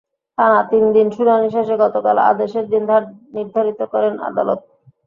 টানা তিন দিন শুনানি শেষে গতকাল আদেশের দিন নির্ধারণ করেন আদালত।